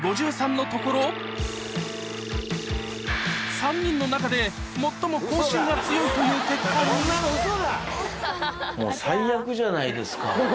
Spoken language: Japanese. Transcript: ３人の中で最も口臭が強いという結果にこんなのウソだ！